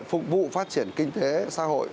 phục vụ phát triển kinh tế xã hội